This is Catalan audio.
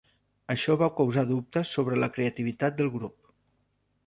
Això va causar dubtes sobre la creativitat del grup.